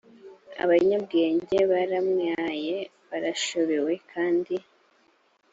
abanyabwenge baramwaye barashobewe kandi